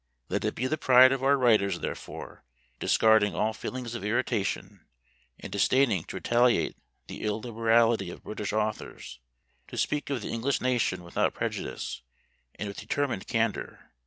Let it be the pride of our writers, therefore, discarding all feelings of irritation, and disdaining to retaliate the illiberality of British authors, to speak of the English nation without prejudice, and with determined candor.